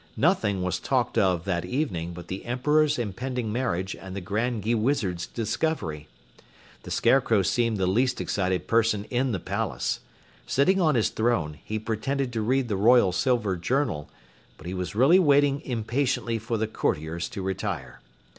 Nothing was talked of that evening but the Emperor's impending marriage and the Grand Gheewizard's discovery. The Scarecrow seemed the least excited person in the palace. Sitting on his throne, he pretended to read the Royal Silver Journal, but he was really waiting impatiently for the courtiers to retire.